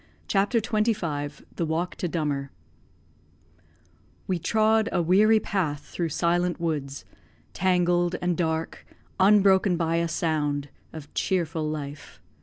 CHAPTER XXV THE WALK TO DUMMER We trod a weary path through silent woods, Tangled and dark, unbroken by a sound Of cheerful life.